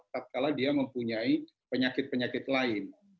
setelah dia mempunyai penyakit penyakit lain